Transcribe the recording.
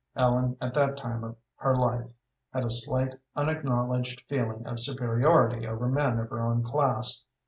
Ellen, at that time of her life, had a slight, unacknowledged feeling of superiority over men of her own class.